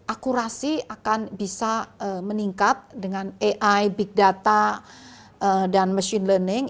akurasi akan bisa meningkat dengan ai big data dan machine learning